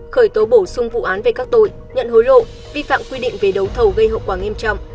khởi tố bổ sung vụ án về các tội nhận hối lộ vi phạm quy định về đấu thầu gây hậu quả nghiêm trọng